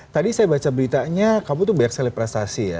tadi saya baca beritanya kamu tuh banyak selebrasi ya